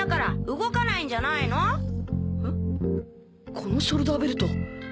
このショルダーベルト